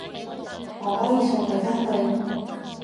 我可以送佢返去